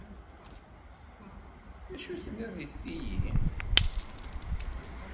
Acu tenniḍ deg tiyi?